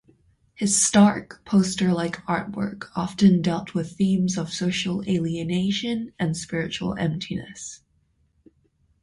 His stark poster-like artwork often dealt with themes of social alienation and spiritual emptiness.